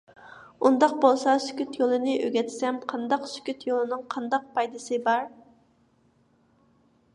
− ئۇنداق بولسا «سۈكۈت» يولىنى ئۆگەتسەم قانداق؟ − «سۈكۈت» يولىنىڭ قانداق پايدىسى بار؟